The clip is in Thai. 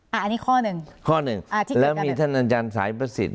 อ่าอันนี้ข้อหนึ่งข้อหนึ่งอ่าที่เกิดกันแล้วมีท่านอาจารย์สายประสิทธิ์